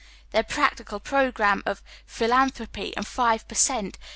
Their practical programme of " Philantliropy and five per cent."